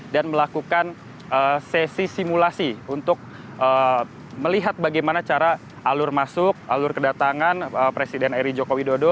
dan melakukan sesi simulasi untuk melihat bagaimana cara alur masuk alur kedatangan presiden r i jokowi dodo